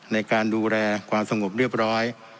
ในการดูแลความสงบเรียบร้อย